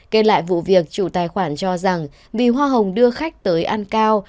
kê lại vụ việc chủ tài khoản cho rằng vì hoa hồng đưa khách tới ăn cao